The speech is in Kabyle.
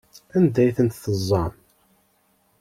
Anda ay tent-teẓẓam?